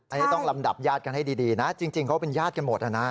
อันนี้ต้องลำดับญาติกันให้ดีนะจริงเขาเป็นญาติกันหมดนะ